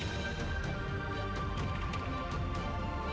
nonton dong tiga sampai kecil bagaimana